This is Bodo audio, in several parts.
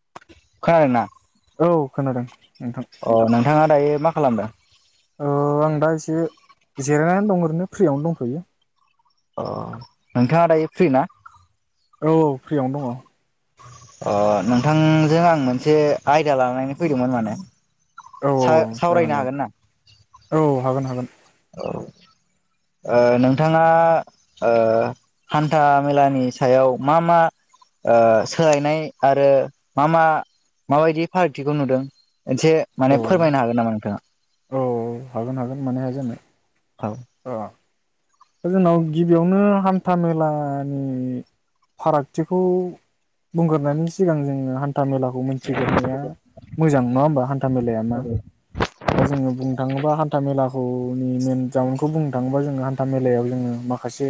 [unintelligible] औ खोनादों। नोंथां अ नोंथांङा दायो मा खालामदों? ओ आं दा एसे जिरायनानै दं ओरैनो फ्रियावनो दंथयो । अ नोंथांङा दायो फ्रि ना? औ फ्रियावनो दंङ । आं नोंथांजों आं मोनसे आयदा लानानै फैदोंमोन माने । औ-औ-औ जागोन-जागोन औ औ हागोन हागोन। [unintelligible] ओ नोंथांङा ओ हान्था मेलानि सायाव मा मा सोलायनाय आरो मा मा माबायदि फारागथिखौ नुदों एसे औ माने फोरमायनो हागोन नामा नोंथांङा औ हागोन हागोन मानो हाया जानो औ ओ दा जोंनाव गिबियावनो हान्था मेलानि फारागथिखौ बुंग्रोनायनि सिगां जोंङो हान्था मेलाखौ मोनथिग्रनाया मोजां नंङा होमबा हान्था मेलाया मा दा जोंङो बुं थाङोबा हान्था मेलाखौनि मेन जाउनखौ बुंनो थाङोबा जोङो हान्था मेलायाव जोङो माखासे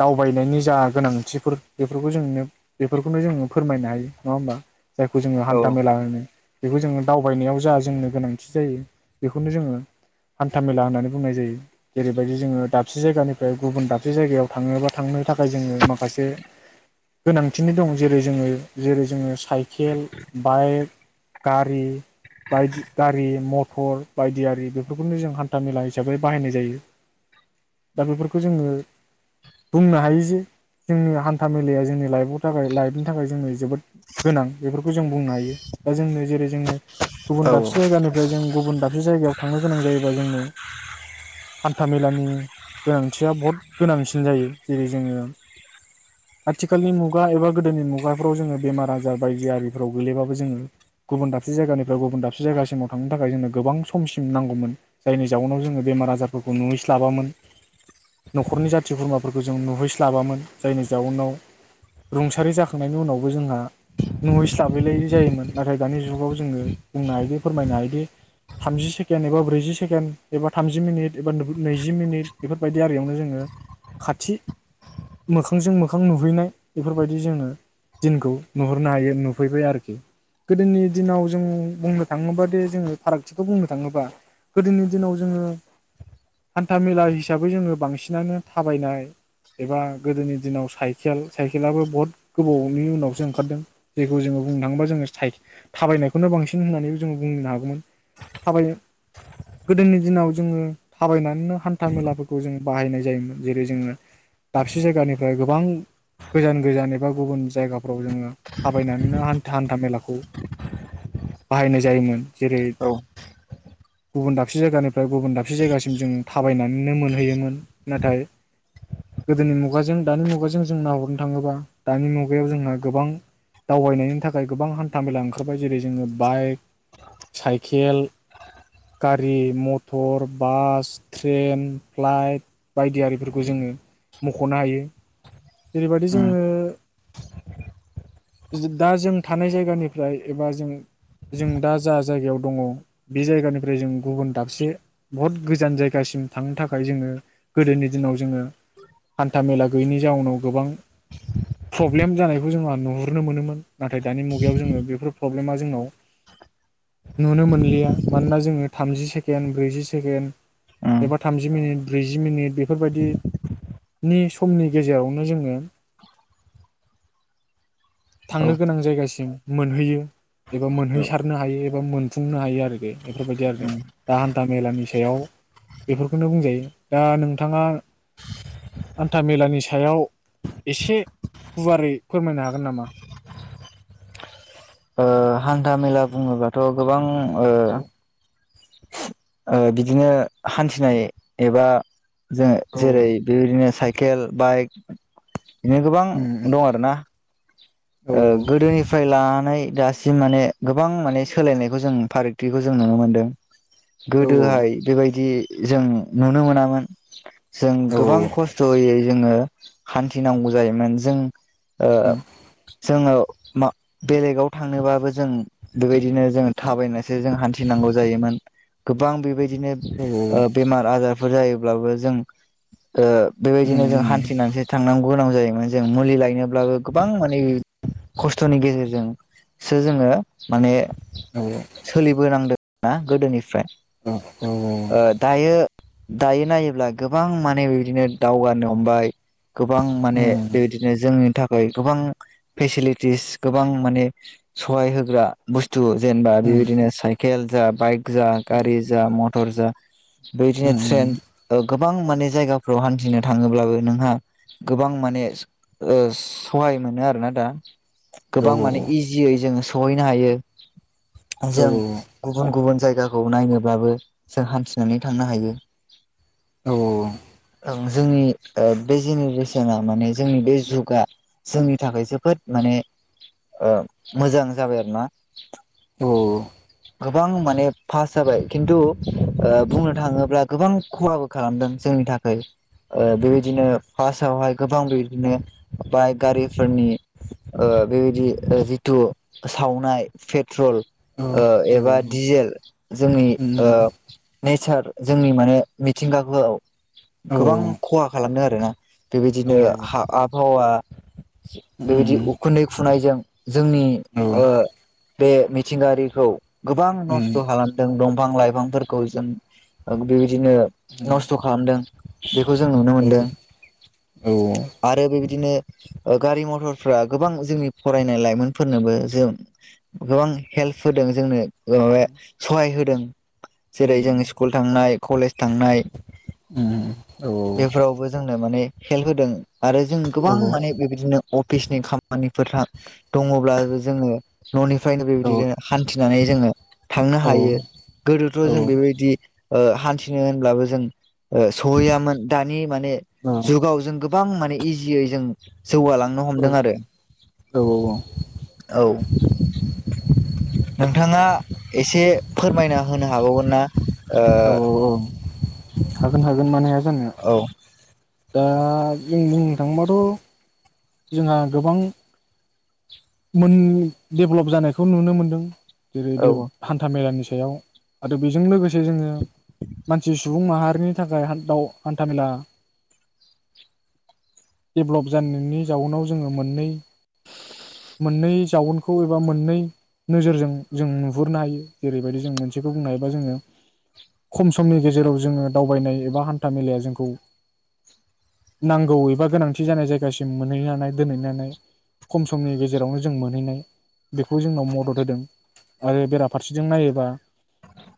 दावबायनायनि जा गोनांथिफोर बेफोरखौ जोंनो बेफोरखौनो जोङो फोरमायनो हायो नङा होमबा। जायखौ जोङो हान्था औ मेला होनो। बेखौ जोङो दावबायनायाव जा जोंनो गोनांथि जायो बेखौनो जोङो। हान्था मेला होननानै बुंनाय जायो जेरैबायदि जोङो दाबसे जायगानिफ्राय गुबुन दाबसे जायगायाव थाङो बा थांनो थाखाय जोङो माखासे गोनांथिनो दं जेरै जोङो जेरै जोङो साइकेल, बाइक, गारि बायदि गारि म थर बायदियारि। बेफोरखौनो जों हान्था मेला हिसाबै बाहायनाय जायो दा बेफोरखौ जोङो बुंनो हायो जे जोंनि हान्था मेलाया जोंनि लाइफआव थाखाय लाइफनि थाखाय जोंङो जोबोद गोनां बेफोरखौ जों बुंनो हायो दा जोंनो जेरै जोंनो गुबुन औ दाबसे जायगानिफ्राय जों गुबुन नो गोनां जायोबा जोंनो। हान्थामेलानि गोनांथिया बहुद गोनांसिन जायो जेरै जोङो आथिखालनि मुगा एबा गोदोनि मुगाफ्राव जोङो बेमार आजार बायदि आरिफ्राव गोलैबाबो जोङो गुबुन दाबसे जायगानिफ्रायाव गुबुन दाबसे जायगासिमाव थांनो थाखाय जोङो गोबां सम सिम नांगौमोन जायनि जउनाव जोङो बेमार आजारफोरखौ नुयैस्लाबोन न'रनि जाथि खुरमाफोरखौ जों नुहैस्लाबामोन जायनि जउनाव रुंसारि जाखांनायनि उनावबो जोंहा नुहैस्लाबोलाय जायोमोन नाथाय दानि जुगाव जोङो बुंनो हायोदि फोरमायनो हायोदि थामजि सेकेण्ड एबा ब्रैजि सेकेण्ड एबा थामजि मिनिट एबा नैजि मिनिट बेफोरबायदि आरियावनो जोङो खाथि मोखांजों मोखां नुहैनाय बेफोरबायदि जोङो दिनखौ नुहरनो हायो नुफैबाय आरोखि गोदोनि दिनाव जों बुंनो थाङोबा दे जोङो फारागथिखौ बुं थाङोबा गोदोनि दिनाव जोङो हान्था मेला हिसाबै जोङो बांसिनानो थाबायनाय एबा गोदोनि दिनाव साइखेल साइकेेलबो बहुत गोबावनि उनावसो ओंखारदों जेखौ जोङो बुंनो थाङोबा जोङो थाबायनायखौनो बांसिन होननानै जोङो बुंनो हागौमोन। थाबायो गोदोनि दिनाव जोङो थाबायनानै नो हान्था मेलाफोरखौ जों बाहायनाय जायोमोन जेरै जोङो दाबसे जायगानिफ्राय गोबां गोजान गोजान एबा गुबुन जायगाफ्राव जोङो थाबायनानैनो हा-हान्था मेलाखौ बाहायनाय जायोमोन जेरै औ गुबुन दाबसे जायगानिफ्राय गुबुन दाबसे जायगासिम जों थाबायनानैनो मोनहैयोमोन नाथाय गोदोनि मुगाजों दानि मुगाजों जों नाहरनो थाङोबा दानि मुगायाव जोंहा गोबां दावबायनायनि थाखाय गोबां हान्था मेला ओंखारबाय जेरै जोङो बाइक, साइकेल, गारि मटर बास, ट्रेन, फ्लाइट बायदि आरिफोरखौ जोङो मख'नो हायो। जेरैबादि उम जोङो। दा जों थानाय जायगानिफ्राय एबा जों जों दा जा जायगायाव दङ बे जायगानिफ्राय जों गुबुन दाबसे बहुत गोजान जायगासिम थांनो थाखाय जोङो गोदोनि दिनाव जोङो। हान्था मेला गैयिनि जाउनाव। गोबां प्रब्लेम जानायखौ जोंहा नुहुरनो मोनोमोन नाथाय दानि मुगायाव जोङो बेफोर प्रब्लेमा जोंनाव नुनो मोनलिया मानोना जोङो थामजि सेकेण्ड ब्रैजि सेकेण्ड। उम एबा थामजि मिनिट। ब्रैजि मिनिट बेफोरबायदि नि समनि गेजेराव नो जोङो। औ थांनो गोनां जायगासिम मोनहैयो। एबा उम मोनहैसारनो हायो। मोनफुंनो हायो आरो बे। बेफोरबायदि आरो दा [unintelligible] मेलानि सायाव बेफोरखौनो बुंजायो दा नोंथाङा हान्था मेलानि सायाव। एसे गुवारै फोरमायनो हागोन नामा? ओ हान्था मेला बुङोबाथ' गोबां। ओ। औ ओ बिदिनो हान्थिनाय एबा जों जेरै औ बेबायदिनो साइकेल बाइक बिनो गोबां औ दं आरोना ओ गोदोनिफ्राय लानानै दासिम माने गोबां माने सोलायनायखौ जों फारागथिखौ जों नुनो मोन्दों । औ गोदोहाय बेबायदि जों नुनो मोनामोन जों औ गोबां खस्थ'यै जोङो हान्थिनांगौ जायोमोन जों ओ औ जोङो मा बेलेगाव थांनोबाबो जों बेबायदिनो जों थाबायनोसो जों हान्थिनांगौ जायोमोन । गोबां बेबायदि औ [unintelligible] ओ बेमार आजार जायोब्लाबो जों ओ बेबायदिनो जों हान्थिनानैसो थांनांगौ गोनां जायो । [unintelligible] जों मुलि लायनो ब्लाबो गोबां माने खस्थ'नि गेजेरजोंसो जोङो माने सोलिबोनांदों ना गोदोनिफ्राय अ औ औ औ। ओ दायो दायो नायोब्ला गोबां माने बिदिनो दावगानो हमबाय गोबां माने बेबायदिनो जोंनि [unintelligible] गोबां फेसिलिटिस गोबां माने स'हाय होग्रा [unintelligible] [unintelligible] जेनेबा बेबायदिनो साइकेल जा बाइक जा गारि जा मथर जा बेदिनो ट्रेन [unintelligible] गोबां माने जायगाफ्राव हान्थिनो थाङोब्लाबो नोंहा गोबां माने ओ स'-सहाय मोनो आरोना दा । गोबां माने इजियै जोङो स'हैनो हायो । जों गुबुन गुबुन जायगा खौ नायनोब्लाबो जों हान्थिनानै थांनो हायो । औ औ औ। ओं जोंनि बे जेनेरेसनआ माने जोंनि बे जुगा जोंनि थाखाय जोबोद माने ओ मोजां जाबाय आरो ना। गोबां माने फार्स जाबाय खिन्तु बुंनो थाङोब्ला गोबां खहाबो खालामदों जोंनि थाखाय ओ बेबायदिनो फास आवहाय गोबां बेबादिनो बाइक गारिफोरनि ओ बेबायदि जितु सावनाय फेट ट्रल ओ एबा डिजेल जोंनि ओ नेचार जोंनि माने मिथिंगाखौ गोबां खहा खालामदों आरोना बेबायदिनो हा आबहावा बेबायदि उखुन्दै खुनायजों जोंनि बे मिथिंगायारिखौ गोबां नस्थ' खालाम दों दंफां लाइफांफोरखौ जों बेबायदिनो औ नस्थ' खालामदों। खौ जों नुनो औ मोनदों औ औ आरो बेब दिनो गारि मथरफ्रा गोबां जोंनि फरायनाय लाइमोनफोरनोबो जों गोबां हेल्प होदों जोंनो माबाया सहाय होदों जेरै जों स्कुल थांनाय कलेज थांनाय बेफोरावबो जोंनो माने हेल्प होदों आरो जों गोबां माने बेबायदिनो अफिसनि खामानिफोर दङब्लाबो जोंनो न'निफ्रायनो बेबायदिनो हान्थिनानै जोङो थांनो हायो गोदोथ' जों बेबायदि ओ हान्थिनो होनब्लाबो जों ओ सहैयामोन दानि माने जुगाव जों गोबां माने इजियै जों जौगालांनो हमदों आरो औ। नोंथाङा एसे फोरमायना होनो हागावगोन ना ओ हागोन हागोन मानो हाया। जानो औ दा जों बुंनो थाङोबाथ' जोंहा गोबां मोन देभेलप जानायखौ नुनो मोनदों। जेरै औ दे हान्था मेलानिस सायाव आरो बेजों लोगोसे जोङो मानसि सुबुं माहारिनि थाखाय हान दाउ हान्थामेला डेभेलप जानायनि जाउनाव जोङो मोननै मोननै जाउनखौ एबा मोननै नोजोरजों जों नुहुरनो हायो जेरैबायदि जों मोनसेखौ बुंनो हायोबा जोङो खम समनि गेजेराव जोङो दावबायनाय एबा हान्था मेलाया जोंखौ नांगौ एबा गोनांथि जानाय जायगासिम मोनहैनानै दोनहैनानै खम समनि गेजेरावनो जों मोनहैनाय बेखौ जोंनाव मदद होदों। आरो बेराफारसेजों नायोबा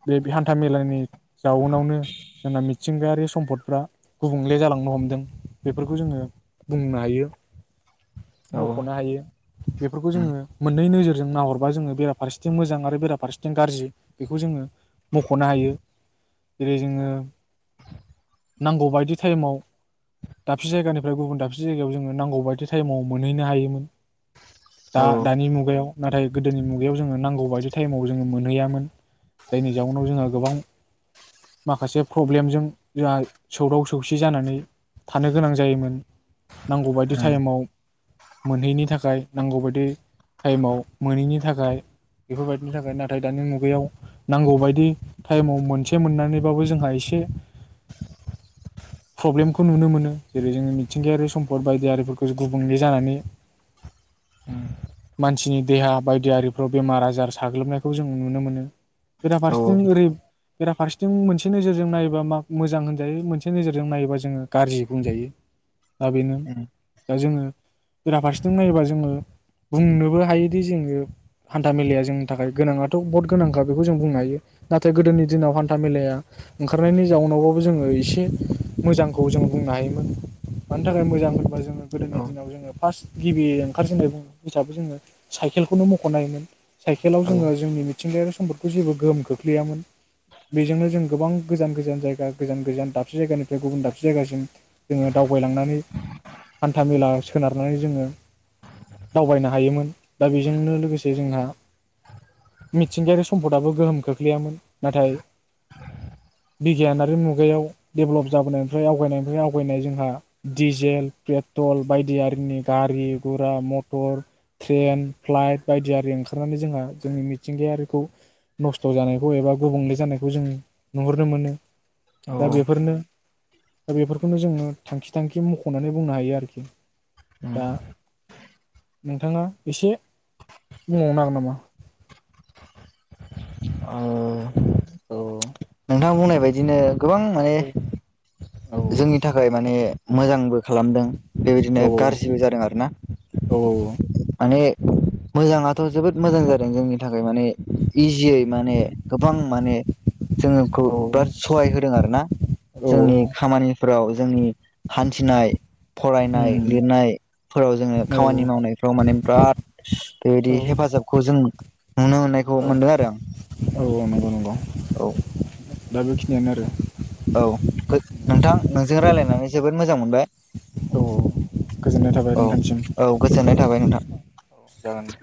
बे हान्था मेलानि जाउनावनो जोंना मिथिंगायारि सम्पदफ्रा गुबुंले जालांनो हमदों बेफोरखौ जोङो बुंनो हायो। औ मख'नो हायो बेफोरखौ जोङो मोननै नोजोर जों नाहरबा जोङो बेराफारसेथिं मोजां आरो बेराफारसेथिं गाज्रि बेखौ जोङो मख'नो हायो जेरै जोङो नांगौ बायदि टाइमाव दाबसे जायगानिफ्राय गुबुन दाबसे जायगायाव जोङो नांगौ बायदि टाइमाव मोनहैनो हायोमोन। औ दा दानि मुगायाव नाथाय गोदोनि मुगायाव जोङो नांगौ बायदि टाइमाव जोङो मोनहैयामोन जायनि जाउनाव जोंहा गोबां माखासे प्रब्लेमजों जोंहा सौदाव सौसि जानानै थानो गोनां जायोमोन। नांगौबायदि टाइमाव मोनहैयिनि थाखाय नांगौबायदि टाइमाव मोननि थाखाय बेफोरबायदिनि थाखाय नाथाय दानि मुगायाव नांगौ बायदि टाइमाव मोनसे मोननानैबाबो जोंहा एस से प्रब्लेमखौ नुनो मोनो जेरै जोङो मिथिंगायारि सम्पद बायदियारिफोरखौ गुबुंले जानानै उम मानसिनि देहा बायदियारिफ्राव बेमार आजार साग्लोबनायखौ जों नुनो मोनो बेराफारसेथिं ओरै बेराफारसेथिं मोनसे नोजो जों नायोबा मा मोजां होनजायो मोनसे नोजोरजों नायोबा जोङो गाज्रि बुंजायो दा बेनो दा जोङो बेराफारसेथिं नायोबा जोङो बुंनोबो हायोदि जोङो हान्था मेलाया जोंनि थाखाय गोनाङाथ' बहुत गोनांखा बेखौ जों बुंनो हायो नाथाय गोदोनि दिनाव हान्था मेलाया ओंखारनायनि जाउनावबाबो जोङो एसे मोजांखौ जों बुंनो हायोमोन मानि थाखाय मोजां होनबा जोङो औ गोदोनि दिनाव जोङो फार्स्ट गिबि ओंखारजेननाय बुङो हसाबो जोङो साइकेलखौनो मख'नो होमोन साइकेलाव औ जोङो जोंनि मिथिंगायारि सम्दफोरखौ जेबो गोहोम खोख्लैयामोन बेजोंनो जों गोबां गोजान -गोजान जायगा, गोजान- गोजान दाबसे जायगानिफ्राय गुबुन दाबसे जायगासिम जोङो दावबायलांनानै हान्था मेला सोनारनानै जोङो दावबायनो हायोमोन, दा बेजोंनो लोगोसे जोंहा मिथिंगायारि सम्फदाबो गोहोम खोख्लैयामोन नाथाय बिगियानारि मुगायाव डेभेलप जाबोनायनिफ्राय आवगायनायनिफ्राय आवगायनाय जोंहा डिजेल पेट्रल बायदियिनि गारि रा मटर ट्रेन फ्लाइट बायदियारि ओंखारनानै जोंहा जोंनि मिथिंगायारिखौ नस्थ' जानायखौ एबा गुबुंले जानायखौ जों नुहुरनो मोनो औ औ दा बेफोरनो दा बेफोरखौनो जोङो थांखि थांखि मख'नानै बुंनो हायो आरोखि। दा नोंथाङा एसे बुंबावनो नागोन नामा? औ औ नोंथाङा बुंनाय बादिनो गोबां माने औ जोंनि थाखाय माने मोजांबो खालामदों बेबायदिनो औ गाज्रिबो जादों आरोना औ माने मोजाङाथ' जोबोद मोजां जादों जोंनि थाखाय माने इजियै माने गोबां माने जोङोखौ औ बिराद सहाय होदों आरो ना जोंनि औ निफोराव जोंनि हान्थिनाय फरायनाय उम लिरनायफोराव जोङो औ खामानि मावनायफ्राव माने बिराद बेबायदि औ हेफाजाबखौ जों नुनो मोननायखौ औ मोनदों आरो आं औ नंगौ नंगौ औ। दा बेखिनियानो आरो। औ नोंथां नोंजों रायज्लायनानै जोबोद मो औ गोजोननाय थाबाय औ नोंथांसिम औ गोजोननाय थाबाय नोंथां। औ जागोन दे